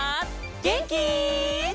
げんき？